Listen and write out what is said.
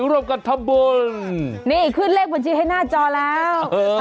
ร่วมกันทำบุญนี่ขึ้นเลขบัญชีให้หน้าจอแล้ว